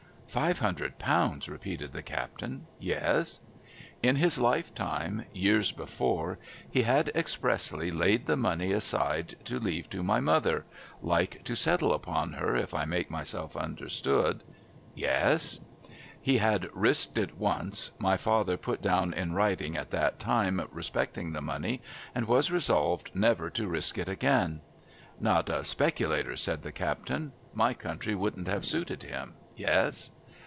' Five hundred pounds,' repeated the captain. ' Yes ?'' In his Ufetime, years before, he had expressly laid the money 236 A MESSAGE FROM THE SEA aside to leave to my mother,— like to settle upon her, if I make myself understood.' ' Yes ?'' He had risked it once— my father put down in writing at that time, respeclin.i( the money— and was resolved never to risk it again.' ' Not a si)er'lator,' said the captain. ' My country wouldn't have suited him. Yes